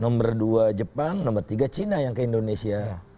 nomor dua jepang nomor tiga cina yang ke indonesia